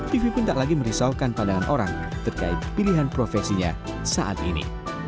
vivi pun tak lagi merisaukan pandangan orang terkait pilihan profesinya saat ini